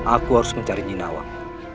aku harus mencari ninawang